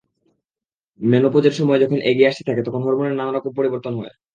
মেনোপোজের সময় যখন এগিয়ে আসতে থাকে, তখন হরমোনের নানা রকম পরিবর্তন হয়।